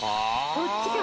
そっちか。